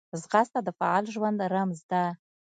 ځغاسته د فعال ژوند رمز ده